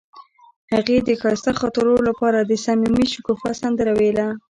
هغې د ښایسته خاطرو لپاره د صمیمي شګوفه سندره ویله.